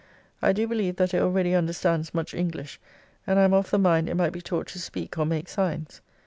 I do believe that it already understands much English, and I am of the mind it might be taught to speak or make signs.